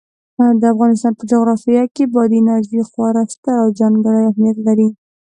د افغانستان په جغرافیه کې بادي انرژي خورا ستر او ځانګړی اهمیت لري.